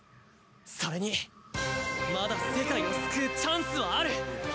それにまだ世界を救うチャンスはある。